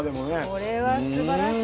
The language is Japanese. これはすばらしい。